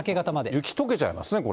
雪とけちゃいますね、これ。